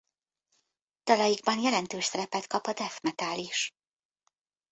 Dalaikban jelentős szerepet kap a death metal is.